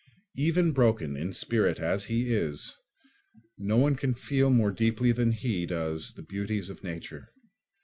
Even broken in spirit as he is, no one can feel more deeply than he does the beauties of nature.